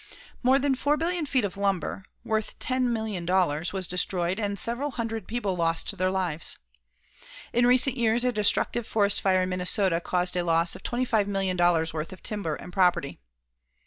More than four billion feet of lumber, worth $10,000,000, was destroyed and several hundred people lost their lives. In recent years, a destructive forest fire in Minnesota caused a loss of $25,000,000 worth of timber and property.